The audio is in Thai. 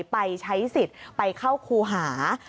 ไปใช้สิทธิ์ไปเข้าครูหา